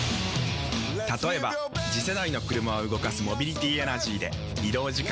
例えば次世代の車を動かすモビリティエナジーでまジカ⁉人間！